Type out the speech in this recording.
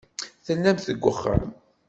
Tellamt deg uxxam.